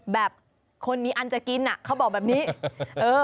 แบบคนมีอันจะกินเขาบอกแบบนี้